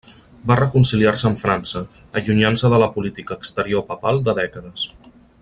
Va reconciliar-se amb França, allunyant-se de la política exterior papal de dècades.